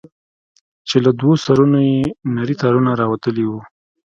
چې له دوو سرونو يې نري تارونه راوتلي دي.